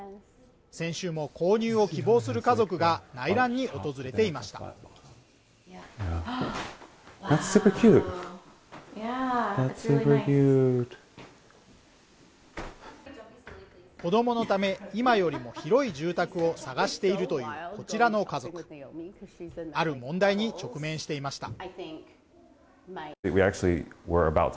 先週も購入を希望する家族が内覧に訪れていました子供のため今よりも広い住宅を探しているというこちらの家族ある問題に直面していました